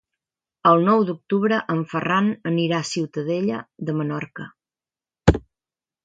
El nou d'octubre en Ferran anirà a Ciutadella de Menorca.